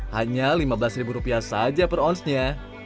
hanya lima belas ribu rupiah saja per onsnya